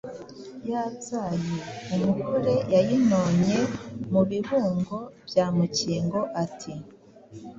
yabyaye. Umubore yayinonye mu bibungo bya mukingo ati “